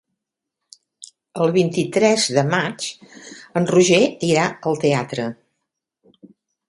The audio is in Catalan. El vint-i-tres de maig en Roger irà al teatre.